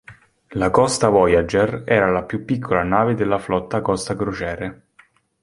La "Costa Voyager" era la più piccola nave della flotta Costa Crociere.